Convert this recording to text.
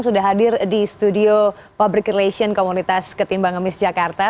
sudah hadir di studio public relation komunitas ketimbang ngemis jakarta